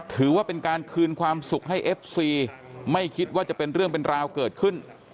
ถือว่าเป็นการคืนความสุขให้เอฟซีไม่คิดว่าจะเป็นเรื่องเป็นราวเกิดขึ้น